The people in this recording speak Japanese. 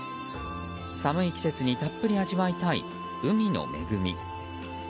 寒い季節にたっぷり味わいたい海の恵み。